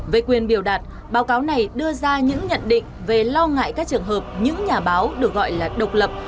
về quyền biểu đạt báo cáo này đưa ra những nhận định về lo ngại các trường hợp những nhà báo được gọi là độc lập